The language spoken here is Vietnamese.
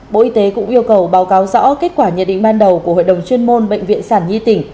bộ y tế cũng yêu cầu báo cáo rõ kết quả nhận định ban đầu của hội đồng chuyên môn bệnh viện sản nhi tỉnh